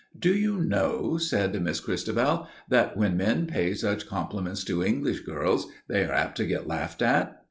"Do you know," said Miss Christabel, "that when men pay such compliments to English girls they are apt to get laughed at?"